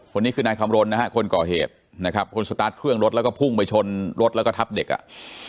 คนนี้คือนายคำรณนะฮะคนก่อเหตุนะครับคนสตาร์ทเครื่องรถแล้วก็พุ่งไปชนรถแล้วก็ทับเด็กอ่ะ